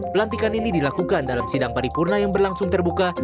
pelantikan ini dilakukan dalam sidang paripurna yang berlangsung terbuka